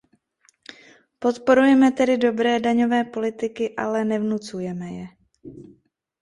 Podporujme tedy dobré daňové politiky, ale nevnucujme je.